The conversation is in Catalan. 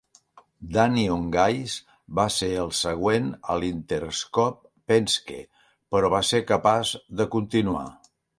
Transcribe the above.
Danny Ongais va ser el següent al Interscope Penske, però va ser capaç de continuar.